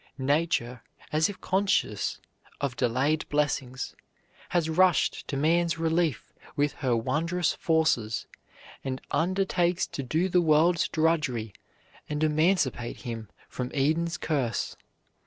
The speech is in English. Nature, as if conscious of delayed blessings, has rushed to man's relief with her wondrous forces, and undertakes to do the world's drudgery and emancipate him from Eden's curse.